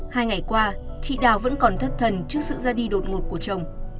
hai ngày qua chị đào vẫn còn thất thần trước sự ra đi đột ngột của chồng